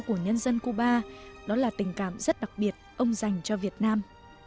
của nhân dân cuba đó là tình cảm rất đặc biệt ông dành cho việt nam